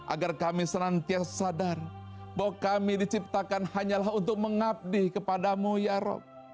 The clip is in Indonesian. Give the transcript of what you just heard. agar kami senantiasa sadar bahwa kami diciptakan hanyalah untuk mengabdi kepadamu ya rab